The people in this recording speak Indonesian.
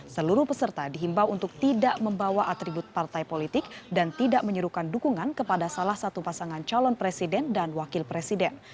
seluruh peserta dihimbau untuk tidak membawa atribut partai politik dan tidak menyuruhkan dukungan kepada salah satu pasangan calon presiden dan wakil presiden